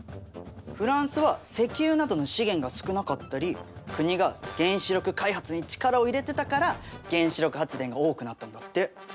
フランスは石油などの資源が少なかったり国が原子力開発に力を入れてたから原子力発電が多くなったんだって。